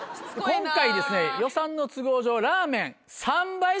今回。